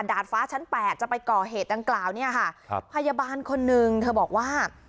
ดาดฟ้าชั้นแปดจะไปก่อเหตุดังกล่าวเนี่ยค่ะครับพยาบาลคนนึงเธอบอกว่า